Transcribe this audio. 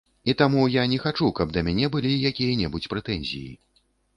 І таму я не хачу, каб да мяне былі якія-небудзь прэтэнзіі.